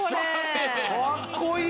かっこいい！